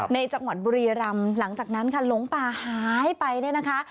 ในจังหวัดบุรีรำหลังจากนั้นค่ะหลงป่าหายไปเนี่ยนะคะ